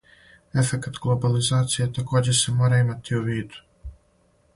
Ефекат глобализације такође се мора имати у виду.